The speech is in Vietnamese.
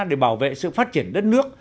để bảo vệ sự phát triển đất nước